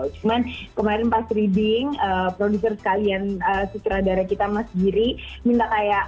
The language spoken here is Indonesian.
cuman kemarin pas reading produser sekalian sutradara kita mas giri minta kayak